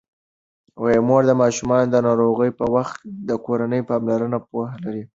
مور د ماشومانو د ناروغۍ په وخت د کورني پاملرنې پوهه لري.